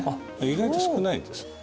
意外と少ないんですあ